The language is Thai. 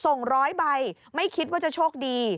ร้อยใบไม่คิดว่าจะโชคดี